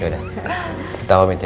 yaudah kita omit aja ya